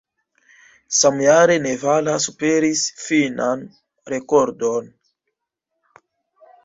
Samjare Nevala superis finnan rekordon.